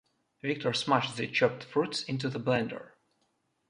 Victor smashed the chopped fruits into the blender.